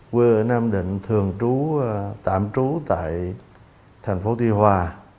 quê ở nam định thường trú tạm trú tại thành phố tuy hòa